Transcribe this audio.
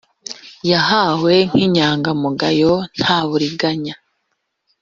yahawe nk inyangamugayo nta buriganya